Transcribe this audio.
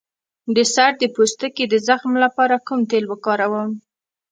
د سر د پوستکي د زخم لپاره کوم تېل وکاروم؟